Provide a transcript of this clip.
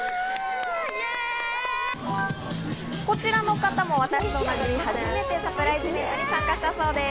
こちらの方も私と同じ、初めてサプライズイベントに参加したそうです。